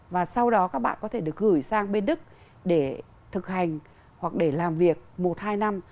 và sau đó các bạn có thể được gửi sang bên đức để thực hành hoặc để làm việc một hai năm